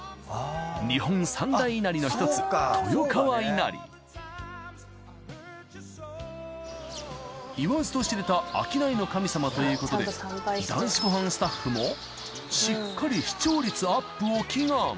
日本三大稲荷の一つ豊川稲荷言わずと知れた商いの神様ということで『男子ごはん』スタッフもしっかり視聴率ＵＰを祈願。